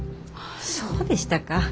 そうでしたか。